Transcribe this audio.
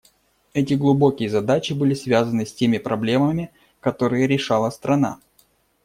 Эти глубокие задачи были связаны с теми проблемами, которые решала страна.